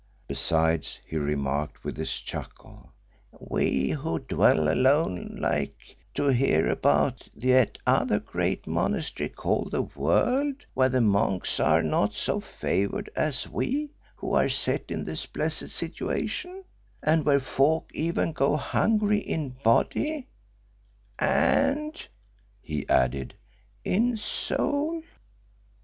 Besides, he remarked with his chuckle "We who dwell alone like to hear about that other great monastery called the World, where the monks are not so favoured as we who are set in this blessed situation, and where folk even go hungry in body, and," he added, "in soul."